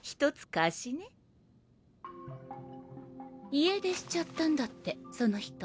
家出しちゃったんだってその人。